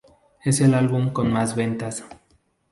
Es el álbum con mas ventas.